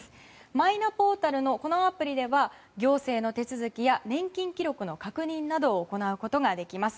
マイナポータルのアプリでは行政の手続きや年金記録の確認などを行うことができます。